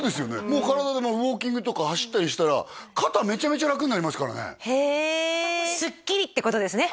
もう体でもウォーキングとか走ったりしたら肩めちゃめちゃ楽になりますからねへえスッキリ！ってことですね